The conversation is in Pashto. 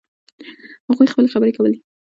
هغوی خپلې خبرې کوي